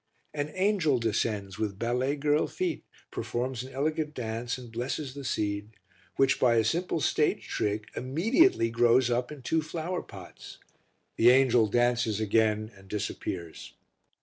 An angel descends with ballet girl feet, performs an elegant dance and blesses the seed, which by a simple stage trick immediately grows up in two flower pots. The angel dances again and disappears.